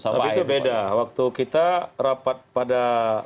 tapi itu beda waktu kita rapat pada